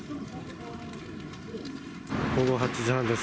午後８時半です。